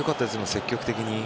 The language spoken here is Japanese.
積極的に。